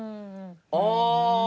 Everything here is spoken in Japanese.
ああ！